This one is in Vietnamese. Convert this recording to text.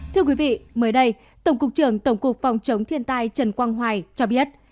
thưa quý vị mới đây tổng cục trưởng tổng cục phòng chống thiên tai trần quang hoài cho biết